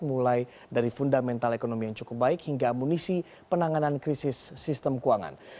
mulai dari fundamental ekonomi yang cukup baik hingga amunisi penanganan krisis sistem keuangan